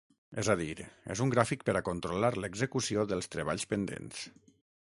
És a dir, és un gràfic per a controlar l'execució dels treballs pendents.